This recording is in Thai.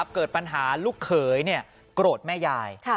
เกิดปัญหาลูกเขยโกรธแม่ยาย